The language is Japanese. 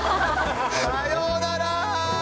さようならー。